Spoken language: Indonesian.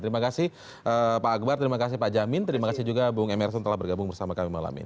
terima kasih pak akbar terima kasih pak jamin terima kasih juga bung emerson telah bergabung bersama kami malam ini